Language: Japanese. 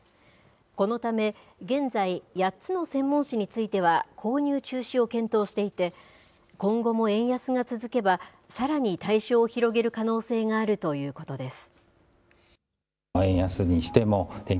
このため、現在、８つの専門誌については購入中止を検討していて、今後も円安が続けば、さらに対象を広げる可能性があるということです。